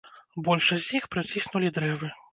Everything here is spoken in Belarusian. Большасць з іх прыціснулі дрэвы.